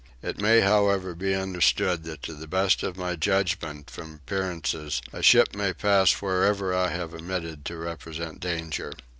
It may however be understood that to the best of my judgment from appearances a ship may pass wherever I have omitted to represent danger.